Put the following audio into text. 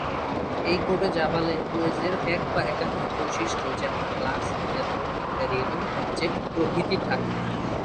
এই কোডে Java language এর এক বা একাধিক বৈশিষ্ট্য যেমন ক্লাস, মেথড, ভ্যারিয়েবল, অবজেক্ট প্রভৃতি থাকে।